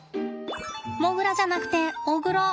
モグラじゃなくてオグロ。